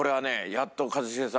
やっと一茂さん